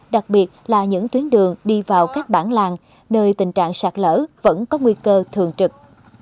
đặc biệt là những tuyến đường đi vào các bản làng nơi tình trạng sạt lở vẫn có nguy cơ thường trực